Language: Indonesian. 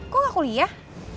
kok ga kuliah